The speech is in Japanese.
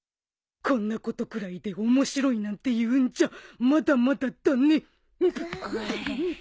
こんなことくらいで面白いなんて言うんじゃまだまだだね。